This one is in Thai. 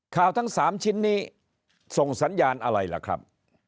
ทั้ง๓ชิ้นนี้ส่งสัญญาณอะไรล่ะครับ